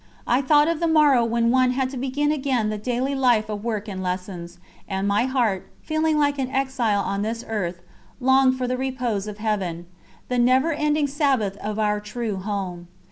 I thought of the morrow when one had to begin again the daily life of work and lessons, and my heart, feeling like an exile on this earth, longed for the repose of Heaven the never ending Sabbath of our true Home.